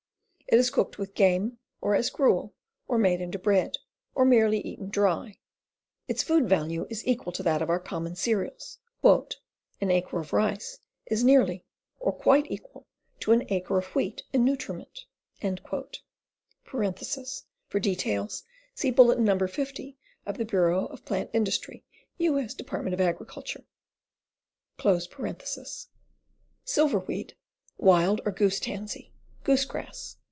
It is cooked with game, or as gruel, or made into bread, or merely eaten dry. Its food value is equal to that of our common cereals. "An acre of rice is nearly or quite equal to an acre of wheat in nutri ment." (For details see Bulletin No. 50 of the Bureau of Plant Industry, U. S. Dep't. of Agriculture.) SiLVERWEED. Wild or Goose Tansy. Goose grass.